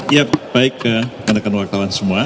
ya baik kanakan waktuan semua